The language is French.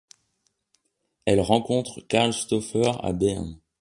Elle rencontre Karl Stauffer à Berne.